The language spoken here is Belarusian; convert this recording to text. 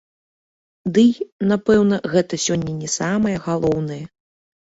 Дый, напэўна, гэта сёння не самае галоўнае!